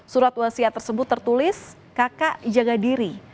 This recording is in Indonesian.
surat wasiat tersebut tertulis kakak jaga diri